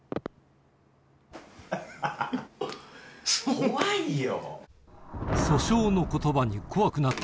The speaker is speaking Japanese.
怖いよ！